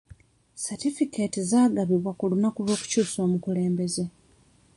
Satifukeeti zaagabibwa ku lunaku lw'okukyusa obukulembeze.